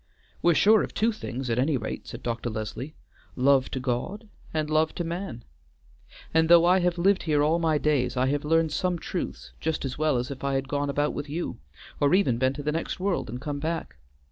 "We're sure of two things at any rate," said Dr. Leslie, "love to God and love to man. And though I have lived here all my days, I have learned some truths just as well as if I had gone about with you, or even been to the next world and come back.